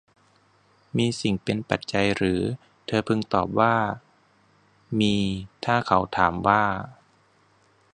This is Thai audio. มีสิ่งเป็นปัจจัยหรือ เธอพึงตอบว่ามีถ้าเขาถามว่า